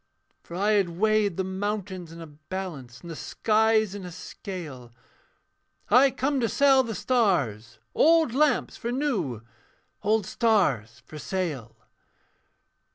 'For I had weighed the mountains in a balance, And the skies in a scale, I come to sell the stars old lamps for new Old stars for sale.'